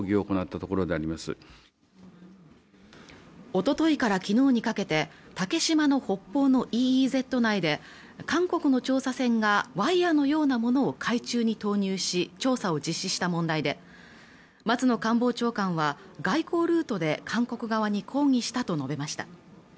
おとといから昨日にかけて竹島の北方のＥＥＺ内で韓国の調査船がワイヤーのようなものを海中に投入し調査を実施した問題で松野官房長官は外交ルートで韓国側に抗議したと述べました